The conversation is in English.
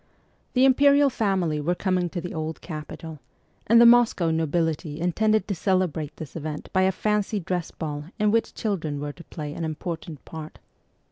The imperial family were coming to the old capital, and the Moscow nobility intended to celebrate this event by a fancy dress ball in which children were to play an important part.